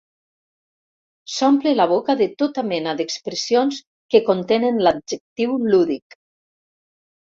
S'omple la boca de tota mena d'expressions que contenen l'adjectiu lúdic.